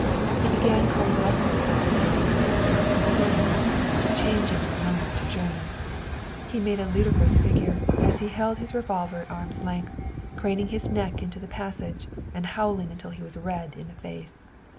He began calling lustily up the narrow stair well in Servian, changing in a moment to German. He made a ludicrous figure, as he held his revolver at arm's length, craning his neck into the passage, and howling until he was red in the face.